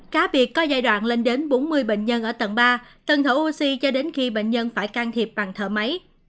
cá biệt có giai đoạn lên đến bốn mươi bệnh nhân ở tầng ba tầng thở oxy cho đến khi bệnh nhân phải can thiệp bằng thở máy